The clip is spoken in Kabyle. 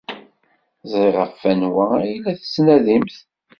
Ẓriɣ ɣef wanwa ay la tettnadimt.